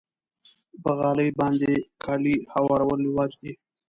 په غالۍ باندې کالي هوارول رواج دی.